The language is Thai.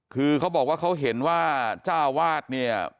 คือเขาบอกว่าเขาเห็นว่าเจ้าวาดเนี่ย